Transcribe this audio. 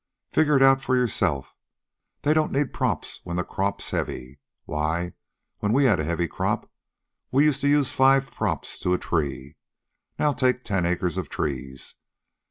"Figure it out for yourself. They don't need props when the crop's heavy. Why, when we had a heavy crop, we used to use five props to a tree. Now take ten acres of trees.